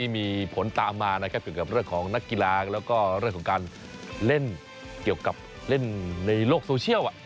มีผลตามมานะครับเกี่ยวกับเรื่องของนักกีฬาแล้วก็เรื่องของการเล่นเกี่ยวกับเล่นในโลกโซเชียล